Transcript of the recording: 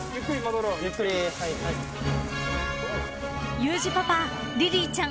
［ユージパパリリーちゃん］